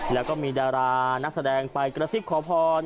แล้วก็มีดารานักแสดงไปกระซิบขอพร